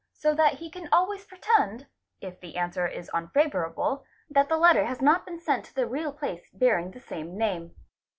so that he can always pretend, if the answer is unfavourable, that the letter has not been sent to the real place bearing the same name.